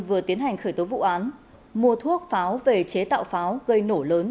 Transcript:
vừa tiến hành khởi tố vụ án mua thuốc pháo về chế tạo pháo gây nổ lớn